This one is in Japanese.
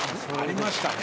ありましたね。